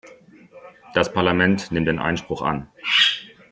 Das Parlament nimmt den Einspruch an.